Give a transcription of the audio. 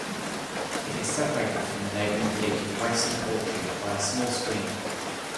It is separated from the neighbouring village of West Orchard by a small stream.